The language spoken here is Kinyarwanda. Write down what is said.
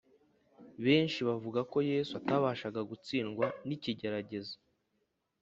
Benshi bavuga ko Yesu atabashaga gutsindwa n’ikigeragezo